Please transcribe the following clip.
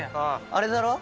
あれだろ？